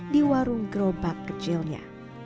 di warung gerobak kecilnya